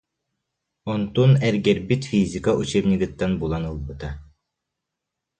Онтун эргэрбит физика учебнигыттан булан ылбыта